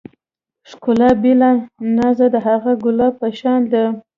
ښکلا بې له نازه د هغه ګلاب په شان ده.